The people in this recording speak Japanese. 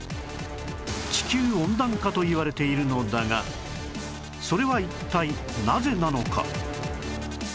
地球温暖化といわれているのだがそれは一体なぜなのか？